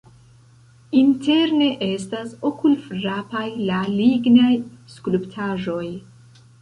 Interne estas okulfrapaj la lignaj skulptaĵoj.